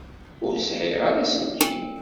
Ur sɛiɣ ara aselkim.